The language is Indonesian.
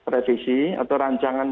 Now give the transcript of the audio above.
revisi atau rancangan